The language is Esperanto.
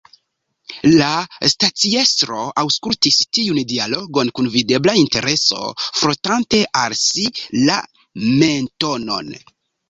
La staciestro aŭskultis tiun dialogon kun videbla intereso, frotante al si la mentonon.